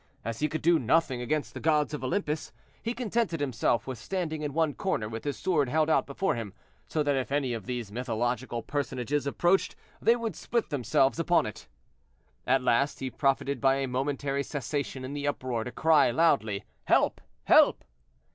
As he could do nothing against the gods of Olympus, he contented himself with standing in one corner, with his sword held out before him, so that if any of these mythological personages approached, they would spit themselves upon it. At last he profited by a momentary cessation in the uproar to cry loudly, "Help! help!"